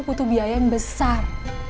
butuh biaya yang besar